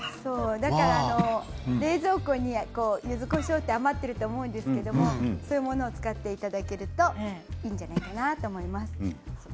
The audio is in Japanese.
冷蔵庫にゆずこしょうが余っていると思うんですけれどもそういうものを使っていただけるといいんじゃないかなと思います。